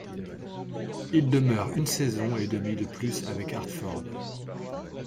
Il demeure une saison et demie de plus avec Hartford.